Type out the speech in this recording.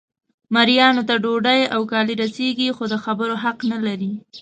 مریانو ته ډوډۍ او کالي رسیږي خو د خبرو حق نه لري.